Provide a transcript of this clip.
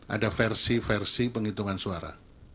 ada versi versi penghitungan suara